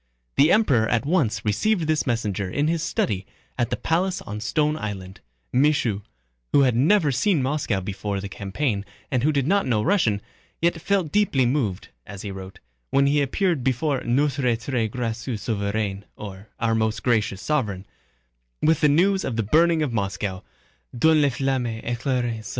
The Emperor at once received this messenger in his study at the palace on Stone Island. Michaud, who had never seen Moscow before the campaign and who did not know Russian, yet felt deeply moved (as he wrote) when he appeared before notre très gracieux souverain * with the news of the burning of Moscow, dont les flammes éclairaient sa route.